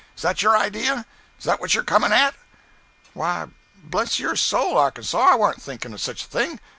Is that your idea? Is that what you're coming at?" "Why bless your soul, Arkansas, I warn't thinking of such a thing.